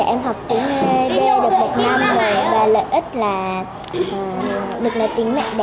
em học tiếng ế đê được một năm rồi và lợi ích là được nói tiếng mẹ đẻ